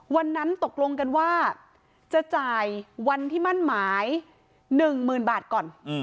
วันนั้นตกลงกันว่าจะจ่ายวันที่มั่นหมาย๑๐๐๐บาทก่อน